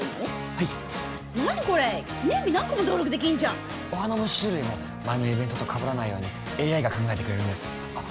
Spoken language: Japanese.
はい何これ記念日何個も登録できんじゃんお花の種類も前のイベントとかぶらないようにＡＩが考えてくれるんですあっ